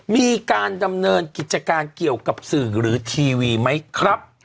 มีการดำเนินกิจการเกี่ยวกับสื่อหรือทีวีไหมครับ